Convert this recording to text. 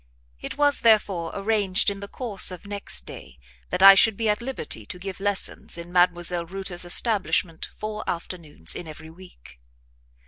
It was, therefore, arranged in the course of next day that I should be at liberty to give lessons in Mdlle. Reuter's establishment four afternoons in every week.